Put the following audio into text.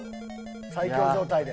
最強状態で。